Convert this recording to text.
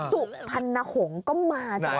ศุกรพรณโหงก็มาจน